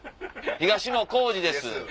東野幸治です！」。